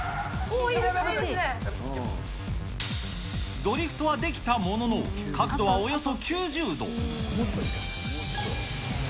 ドリフトはできたものの、角度はおよそ９０度。